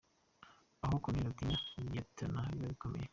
Aho Koloneri atinya liyetona biba bikomeye.